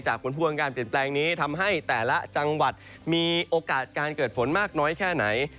ผลพวงการเปลี่ยนแปลงนี้ทำให้แต่ละจังหวัดมีโอกาสการเกิดฝนมากน้อยแค่ไหน